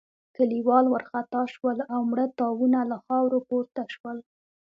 کليوال وارخطا شول او مړه تاوونه له خاورو پورته شول.